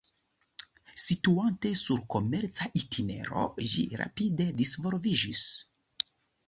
Situante sur komerca itinero ĝi rapide disvolviĝis.